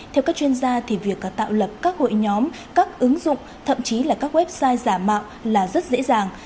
theo các chuyên gia việc tạo lập các hội nhóm các ứng dụng thậm chí là các website giả mạo là rất dễ dàng